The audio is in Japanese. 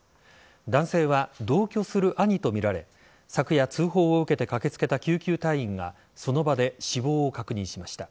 男性は同居する兄とみられ昨夜、通報を受けて駆けつけた救急隊員がその場で死亡を確認しました。